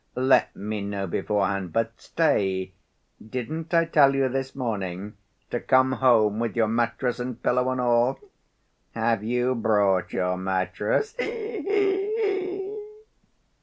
Let me know beforehand.... But, stay; didn't I tell you this morning to come home with your mattress and pillow and all? Have you brought your mattress? He he he!"